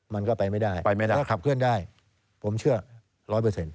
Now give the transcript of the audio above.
มันก็ไปไม่ได้ไปไม่ได้ถ้าขับเคลื่อนได้ผมเชื่อร้อยเปอร์เซ็นต